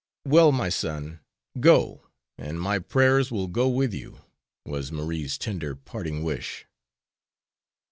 "Well, my son, go, and my prayers will go with you," was Marie's tender parting wish.